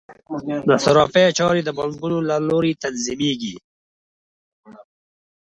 د صرافۍ چارې د بانکونو له لارې تنظیمیږي.